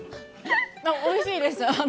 おいしいです。